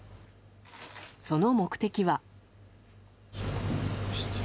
その目的は。